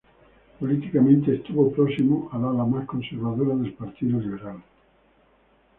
Políticamente, estuvo próximo al ala más conservadora del Partido Liberal.